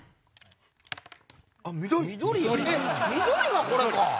緑がこれか！